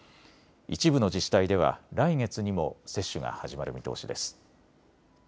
一部の自治体では来月にも接種が始まる見通しです。